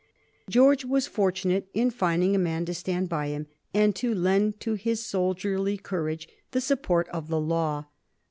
George was fortunate in finding a man to stand by him and to lend to his soldierly courage the support of the law.